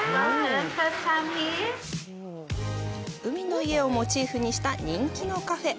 海の家をモチーフにした人気のカフェ。